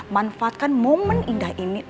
manfaatkan momen indah ini